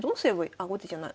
あ後手じゃない。